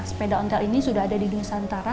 sepeda ontel ini sudah ada di nusantara